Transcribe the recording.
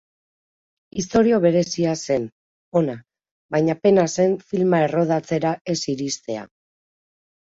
Istorio berezia zen, ona, baina pena zen filma errodatzera ez iristea.